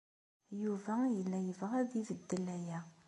Yuba yella yebɣa ad ibeddel aya.